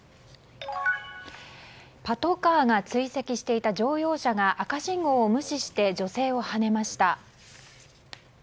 パトカーが追跡していた乗用車が赤信号を無視して女性をはねました。